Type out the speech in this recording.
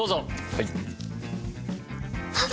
はい。